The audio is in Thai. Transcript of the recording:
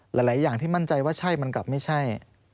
หลายอย่างที่มั่นใจว่าใช่มันกลับไม่ใช่